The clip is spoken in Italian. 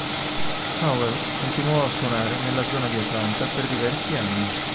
Howell continuò a suonare nella zona di Atlanta per diversi anni.